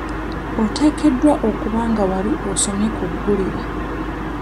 Oteekeddwa okuba nga wali osomye ku ggulire.